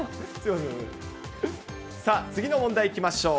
さあ、次の問題いきましょう。